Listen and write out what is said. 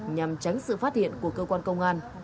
nhằm tránh sự phát hiện của cơ quan công an